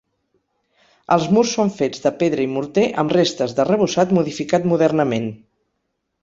Els murs són fets de pedra i morter amb restes d'arrebossat modificat modernament.